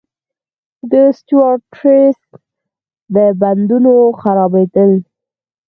د اوسټیوارتریتس د بندونو خرابېدل دي.